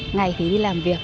ngày thì đi làm việc